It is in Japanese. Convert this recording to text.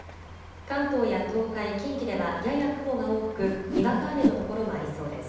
関東や東海、近畿ではやや雲が多くにわか雨の所もありそうです。